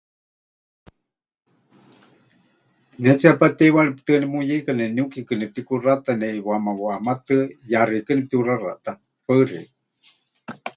Ne tsepá teiwaritɨ́a nemuyeika neniukikɨ nepɨtikuxata neʼiwaáma wahamatɨa, yaxeikɨ́a nepɨtiuxaxatá. Paɨ xeikɨ́a.